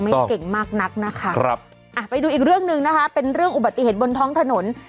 เก่งมากนักนะคะครับอ่ะไปดูอีกเรื่องหนึ่งนะคะเป็นเรื่องอุบัติเหตุบนท้องถนน